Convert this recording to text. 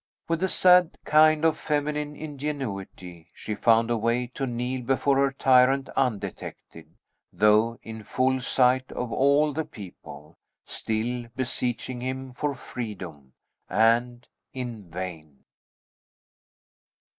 With a sad kind of feminine ingenuity, she found a way to kneel before her tyrant undetected, though in full sight of all the people, still beseeching him for freedom, and in vain.